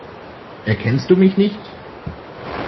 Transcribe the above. Erkennst du mich nicht?